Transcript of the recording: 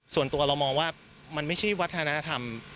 ส่วนตัวเรามองว่ามันไม่ใช่วัฒนธรรม